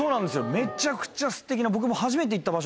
めちゃくちゃすてきな。